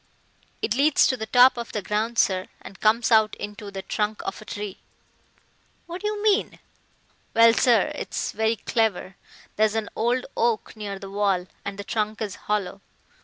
"It leads to the top of the ground, sir, and comes out into the trunk of a tree." "What do you mean?" "Well, sir, it's very clever. There's an old oak near the wall, and the trunk is hollow.